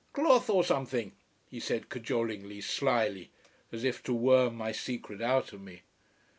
"Cloth or something," he said cajolingly, slyly, as if to worm my secret out of me.